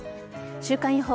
週間予報。